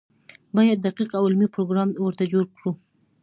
باید دقیق او علمي پروګرام ورته جوړ کړو.